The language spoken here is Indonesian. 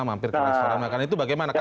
mampir ke restoran makanan itu bagaimana